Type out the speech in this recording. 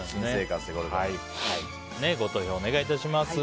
ご投票、お願いいたします。